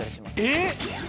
えっ